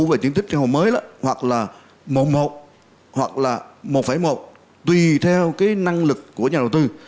và diện tích căn hộ mới đó hoặc là một một hoặc là một một tùy theo cái năng lực của nhà đầu tư